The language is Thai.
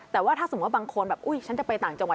แต่ว่าถ้าสมมุติบางคนแบบอุ๊ยฉันจะไปต่างจังหวัด